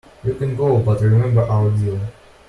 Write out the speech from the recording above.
You can go, but remember our deal.